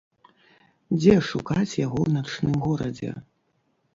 Дзе шукаць яго ў начным горадзе?